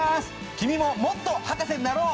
君ももっと博士になろう！